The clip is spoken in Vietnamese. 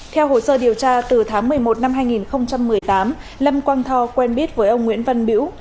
theo hồ sơ điều tra từ tháng một mươi một năm hai nghìn một mươi tám lâm quang tho quen biết với ông nguyễn văn bưu